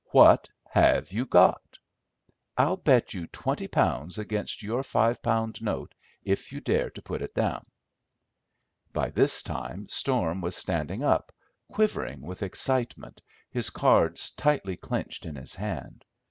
What have you got?" "I'll bet you twenty pounds against your five pound note, if you dare put it down." By this time Storm was standing up, quivering with excitement, his cards tightly clenched in his hand.